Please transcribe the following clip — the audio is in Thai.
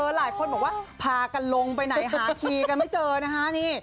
หลายคนบอกว่าพากันลงไปไหนหาคีย์กันไม่เจอนะคะนี่